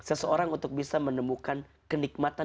seseorang untuk bisa menemukan kenikmatan